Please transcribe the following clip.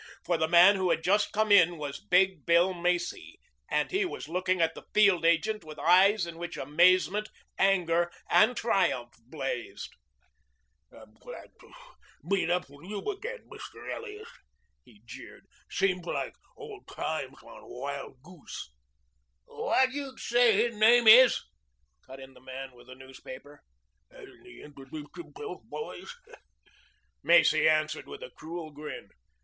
For the man who had just come in was Big Bill Macy, and he was looking at the field agent with eyes in which amazement, anger, and triumph blazed. "I'm glad to death to meet up with you again, Mr. Elliot," he jeered. "Seems like old times on Wild Goose." "Whad you say his name is?" cut in the man with the newspaper. "Hasn't he introduced himself, boys?" Macy answered with a cruel grin.